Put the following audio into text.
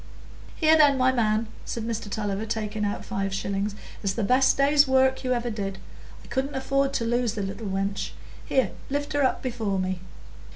"Here, then, my man," said Mr Tulliver, taking out five shillings. "It's the best day's work you ever did. I couldn't afford to lose the little wench; here, lift her up before me."